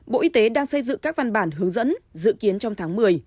bộ y tế đang xây dựng các văn bản hướng dẫn dự kiến trong tháng một mươi